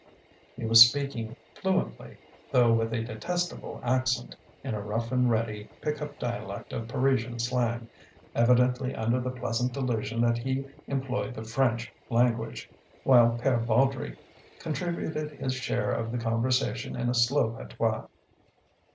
He was speaking fluently, though with a detestable accent, in a rough and ready, pick up dialect of Parisian slang, evidently under the pleasant delusion that he employed the French language, while Pere Baudry contributed his share of the conversation in a slow patois.